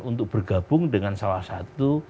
untuk bergabung dengan salah satu